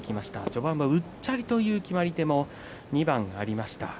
序盤はうっちゃりという決まり手も２番ありました。